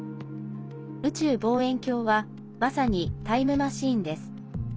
宇宙望遠鏡はまさにタイムマシーンです。